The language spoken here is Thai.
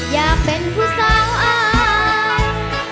อยากเป็นผู้สาวอาย